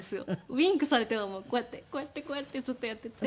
ウィンクされてもこうやってこうやってこうやってずっとやっていて。